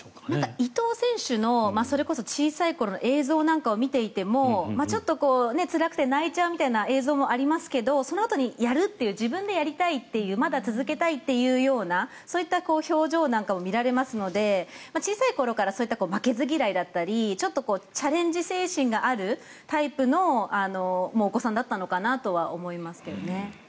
伊藤選手のそれこそ小さい時の映像を見ていてもちょっとつらくて泣いちゃうみたいな映像もありますけどそのあとにやるって自分でやりたいって言うまだ続けたいというようなそういう表情も見られますので、小さい頃からそういった負けず嫌いだったりちょっとチャレンジ精神があるタイプのお子さんだったのかなと思いますけどね。